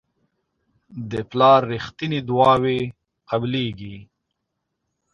د پلار رښتیني دعاوې قبلیږي.